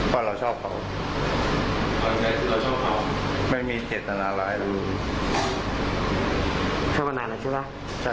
กลับร่านสุดใหม่นะครับร่ำแล้วก็ทำด้วย